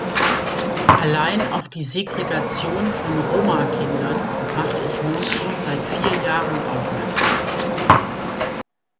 Allein auf die Segregation von Roma-Kindern mache ich nun schon seit vier Jahren aufmerksam.